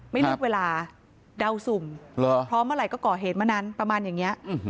ไม่เลือกเวลาเดาสุ่มพร้อมเมื่อไหร่ก็ก่อเหตุมานานประมาณอย่างนี้